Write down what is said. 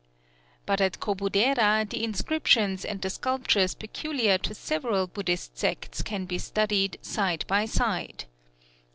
But at Kobudera the inscriptions and the sculptures peculiar to several Buddhist sects can be studied side by side.